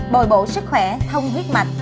bồi bộ sức khỏe thông huyết mạch